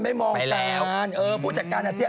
ไม่มองแปลวไปแล้วเออผู้จัดการ